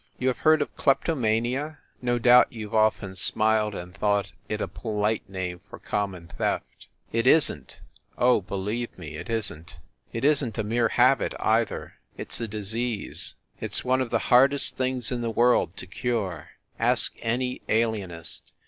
You have heard of kleptomania? No doubt you ve often smiled and thought it a polite name for common theft. It isn t ! Oh, believe me it isn t. It isn t a mere habit, either it s a disease ; it s one of the hardest things in the world to cure. Ask any alienist.